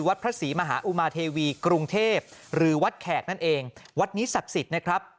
พระศรีมหาอุมาเทวีกรุงเทพหรือวัดแขกนั่นเองวัดนี้ศักดิ์สิทธิ์นะครับ